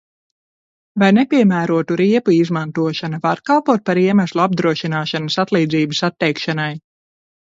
Vai nepiemērotu riepu izmantošana var kalpot par iemeslu apdrošināšanas atlīdzības atteikšanai?